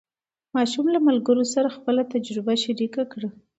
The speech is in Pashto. ماشوم له ملګرو سره خپله تجربه شریکه کړه